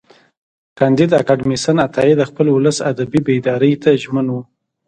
کانديد اکاډميسن عطایي د خپل ولس ادبي بیداري ته ژمن و.